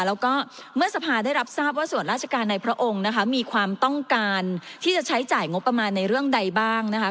แล้วก็เมื่อสภาได้รับทราบว่าส่วนราชการในพระองค์นะคะมีความต้องการที่จะใช้จ่ายงบประมาณในเรื่องใดบ้างนะคะ